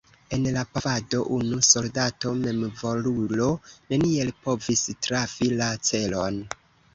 En la pafado unu soldato memvolulo neniel povis trafi la celon.